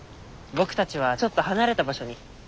僕たちはちょっと離れた場所に。